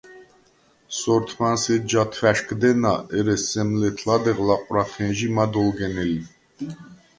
სორთმანს ეჯჟ’ ათვა̈შგდენა, ერე სემ ლეთ-ლადეღ ლაყვრახენჟი მად ოლგენელი.